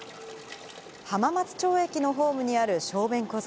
浜松町駅のホームにある小便小僧。